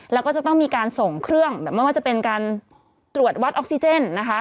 แล้วก็จะต้องมีการส่งเครื่องแบบไม่ว่าจะเป็นการตรวจวัดออกซิเจนนะคะ